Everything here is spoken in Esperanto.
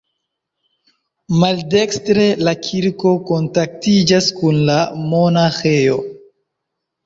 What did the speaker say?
Maldekstre la kirko kontaktiĝas kun la monaĥejo.